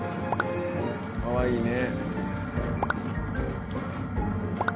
かわいいね。